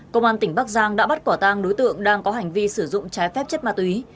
công an tỉnh bắc giang đã bắt quả tang đối tượng đang có hành vi sử dụng trái phép chất ma túy